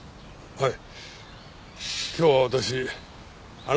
はい。